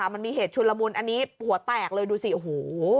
มันมีเหตุชุนละมุนอันนี้หัวแตกเลยดูสิโอ้โห